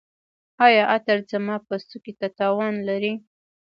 ایا عطر زما پوستکي ته تاوان لري؟